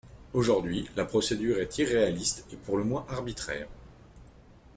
Aujourd’hui, la procédure est irréaliste et pour le moins arbitraire.